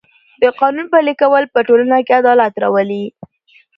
د قانون پلي کول په ټولنه کې عدالت راولي.